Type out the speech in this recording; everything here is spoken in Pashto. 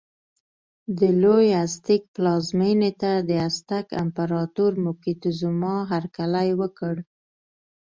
د لوی ازتېک پلازمېنې ته د ازتک امپراتور موکتیزوما هرکلی وکړ.